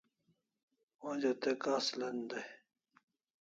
Onja te khas len dai